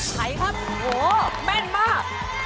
ใครครับโอ้โฮแม่นมาก